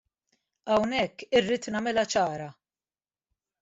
Hawnhekk irrid nagħmilha ċara.